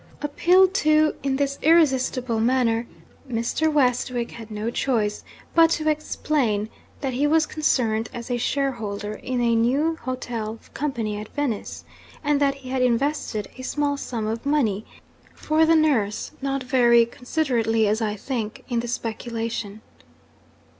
'Appealed to in this irresistible manner, Mr. Westwick had no choice but to explain that he was concerned as a shareholder in a new Hotel Company at Venice, and that he had invested a small sum of money for the nurse (not very considerately, as I think) in the speculation.